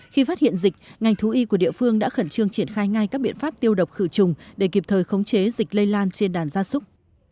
khi phát hiện dịch ngành thú y của địa phương đã khẩn trương triển khai ngay các biện pháp tiêu độc khử trùng để kịp thời khống chế dịch lây lan trên đàn gia súc